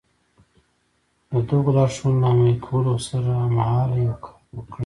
د دغو لارښوونو له عملي کولو سره هممهاله يو کار وکړئ.